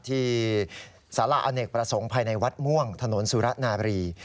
ที่สาระอเนกประสงค์ภายในวัดม่วงถนนสุรนาบรี